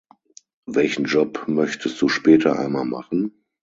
Welchen Job möchtest du später einmal machen?